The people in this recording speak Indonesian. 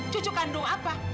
cucu kandung apa